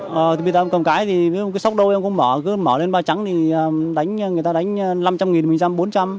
bây giờ em cầm cái thì cái sóc đâu em cũng mở cứ mở lên ba trắng thì người ta đánh năm trăm linh nghìn mình đánh bốn trăm linh